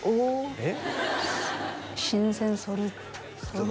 えっ？